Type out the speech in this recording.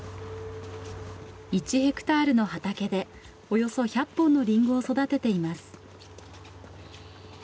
１ヘクタールの畑でおよそ１００本のリンゴを育てています。